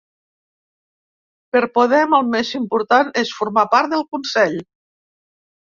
Per Podem el més important és formar part del Consell